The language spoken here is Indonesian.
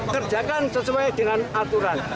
kerjakan sesuai dengan aturan